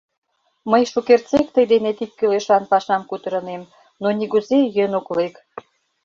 Мый шукертсек тый денет ик кӱлешан пашам кутырынем, но нигузе йӧн ок лек.